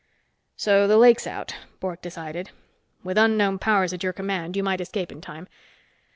"So the lake's out," Bork decided. "With unknown powers at your command, you might escape in time.